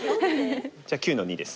じゃあ９の二です。